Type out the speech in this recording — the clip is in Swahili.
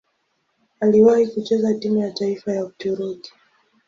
Aliwahi kucheza timu ya taifa ya Uturuki.